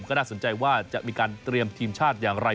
ก็น่าสนใจว่าจะมีการเตรียมทีมชาติอย่างไร